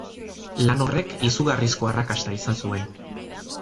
Lan horrek izugarrizko arrakasta izan zuen.